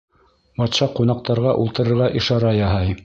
Батша ҡунаҡтарға ултырырға ишара яһай.